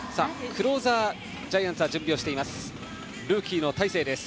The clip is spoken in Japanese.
クローザーがジャイアンツは準備をしています。